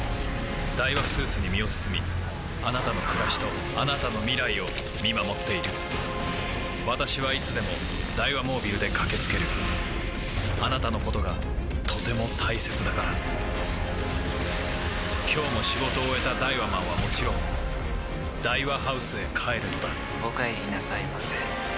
ダイワスーツに身を包みあなたの暮らしとあなたの未来を見守っている私はいつでもダイワモービルで駆け付けるあなたのことがとても大切だから今日も仕事を終えたダイワマンはもちろんダイワハウスへ帰るのだお帰りなさいませ。